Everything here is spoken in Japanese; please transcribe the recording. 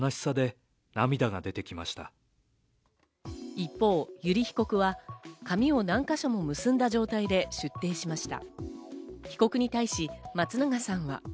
一方、油利被告は髪を何か所も結んだ状態で出廷しました。